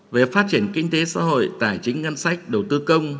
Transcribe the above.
về phát triển kinh tế xã hội tài chính ngân sách đầu tư công